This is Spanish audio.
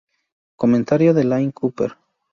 Comentario de Lane Cooper.